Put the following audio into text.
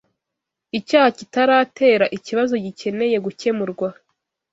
Icyaha kitaratera ikibazo gikeneye gukemurwa